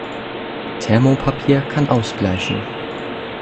Thermopapier kann ausbleichen.